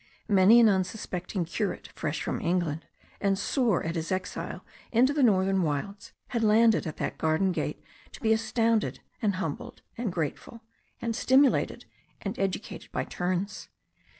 Many an unsuspecting curate, fresh from Eng land, and sore at his exile into the northern wilds, had landed at that garden gate to be astounded, and humbled, and grateful, and stimulated and educated by turns.